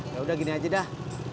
yaudah gini aja dah